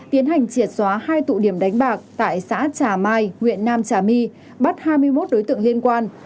tiến hành triệt xóa hai tụ điểm đánh bạc tại xã trà mai huyện nam trà my bắt hai mươi một đối tượng liên quan